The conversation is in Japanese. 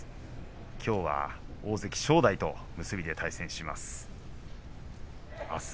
きょうは大関正代と結びで対戦します。